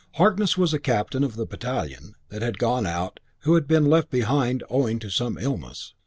Harkness was a captain of the battalion that had gone out who had been left behind owing to some illness.